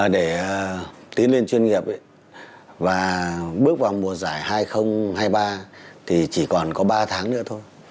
để tiến lên chuyên nghiệp và bước vào mùa giải hai nghìn hai mươi ba thì chỉ còn có ba tháng nữa thôi